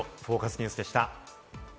ニュースでした。